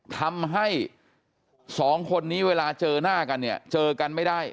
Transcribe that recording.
ทำให้สองคนนี้เวลาเจอหน้ากันเนี่ยเจอกันไม่ได้